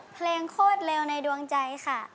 เพลงโคตรเลวในดวงใจค่ะ